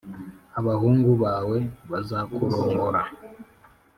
Abahungu bawe bazakurongora